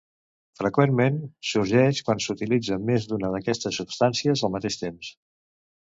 Freqüentment sorgeix quan s'utilitza més d'una d'aquestes substàncies al mateix temps.